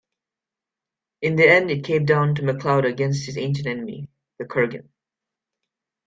In the end, it came down to MacLeod against his ancient enemy, the Kurgan.